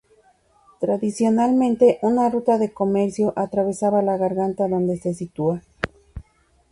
Tradicionalmente una ruta de comercio atravesaba la garganta donde se sitúa.